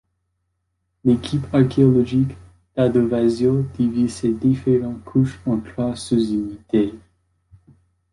L’équipe archéologique d’Adovasio divise ces différentes couches en trois sous-unités.